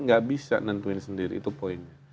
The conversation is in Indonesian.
nggak bisa nentuin sendiri itu poinnya